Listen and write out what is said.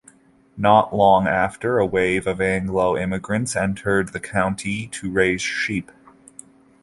Not long after, a wave of Anglo immigrants entered the county to raise sheep.